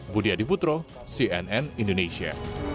budi adibutro cnn indonesia